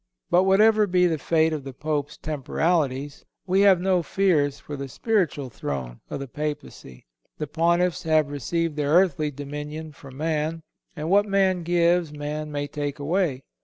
But whatever be the fate of the Pope's temporalities, we have no fears for the spiritual throne of the Papacy. The Pontiffs have received their earthly dominion from man, and what man gives man may take away.